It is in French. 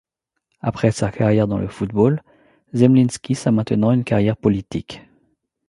Après sa carrière dans le football, Zemļinskis a maintenant une carrière politique.